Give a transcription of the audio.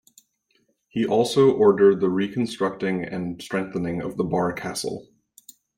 He also ordered the reconstructing and strengthening of the Bar castle.